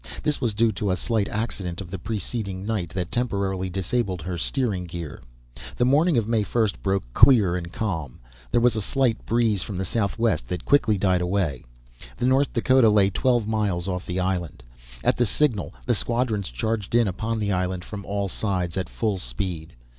This was due to a slight accident of the preceding night that temporarily disabled her steering gear. The morning of May 1 broke clear and calm. There was a slight breeze from the south west that quickly died away. The North Dakota lay twelve miles off the island. At the signal the squadrons charged in upon the island, from all sides, at full speed.